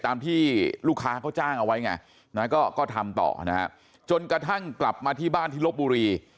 ตามที่ลูกค้าเขาจ้างเอาไว้ไงนะก็ทำต่อนะฮะจนกระทั่งกลับมาที่บ้านที่ลบบุรี